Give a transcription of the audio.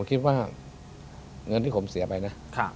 คิดว่าเงินที่ผมเสียไปนะ